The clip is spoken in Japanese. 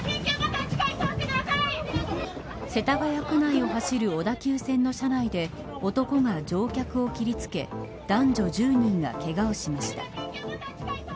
世田谷区内を走る小田急線の車内で男が乗客を切りつけ男女１０人がけがをしました。